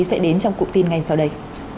sẽ đến trong cụm tin ngay sau đây